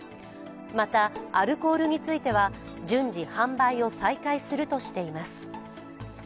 また、アルコールについては順次販売を再開するとしています。